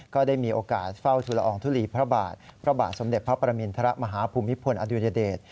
ก็ได้มีโอกาสเฝ้าทุลอองทุลีพระบาทพระบาทสมเด็จพระปรมินทรมาฮภูมิพลอดุญเดช